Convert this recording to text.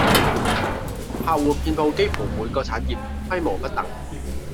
客戶遍佈幾乎每個產業，規模不等